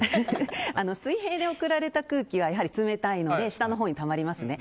水平で送られた空気はやはり冷たいので下のほうにたまりますね。